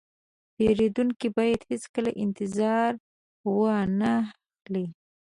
پیرودونکی باید هیڅکله انتظار وانهخلي.